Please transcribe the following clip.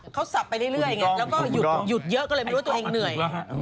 เขาสับไปเรื่อยไงแล้วก็หยุดเยอะก็เลยไม่รู้ว่าตัวเองเหนื่อย